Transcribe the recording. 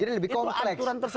jadi lebih kompleks